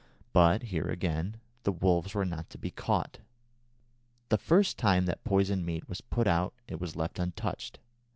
But here, again, the wolves were not to be caught. The first time that poisoned meat was put out it was left untouched.